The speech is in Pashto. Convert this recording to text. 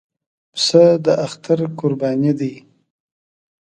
پسه د اختر قرباني ده.